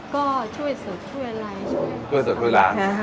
ก็ช่วยเสิร์ฟช่วยด้าน